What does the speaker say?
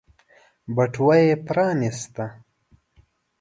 بټوه يې پرانيسته.